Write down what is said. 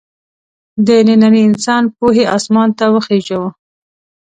د ننني انسان پوهې اسمان ته وخېژو.